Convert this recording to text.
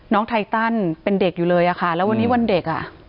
ไทตันเป็นเด็กอยู่เลยอะค่ะแล้ววันนี้วันเด็กอ่ะ